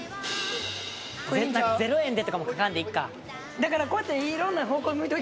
０円でとかも書かんでいっか。